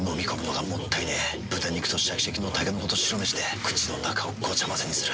豚肉とシャキシャキのたけのこと白めしで口の中をごちゃ混ぜにする。